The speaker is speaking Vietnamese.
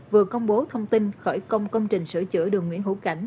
vừa công bố thông tin khởi công công trình sửa chữa đường nguyễn hữu cảnh